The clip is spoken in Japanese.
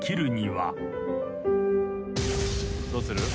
どうする？